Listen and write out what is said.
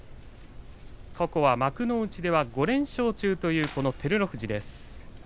過去は幕内では５連勝中という照ノ富士です。